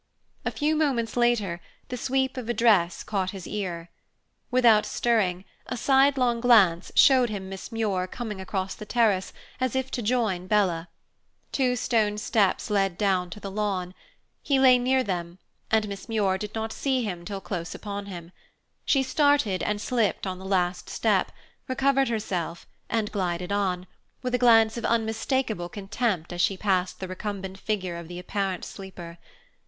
A few moments later, the sweep of a dress caught his ear. Without stirring, a sidelong glance showed him Miss Muir coming across the terrace, as if to join Bella. Two stone steps led down to the lawn. He lay near them, and Miss Muir did not see him till close upon him. She started and slipped on the last step, recovered herself, and glided on, with a glance of unmistakable contempt as she passed the recumbent figure of the apparent sleeper.